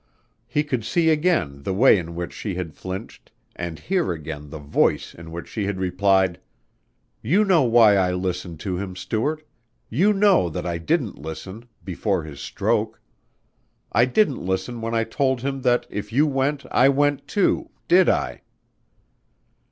He could see again the way in which she had flinched and hear again the voice in which she had replied, "You know why I listen to him, Stuart. You know that I didn't listen ... before his stroke. I didn't listen when I told him that if you went, I went, too, did I?"